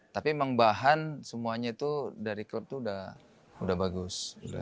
tapi memang bahan semuanya itu dari klub itu udah bagus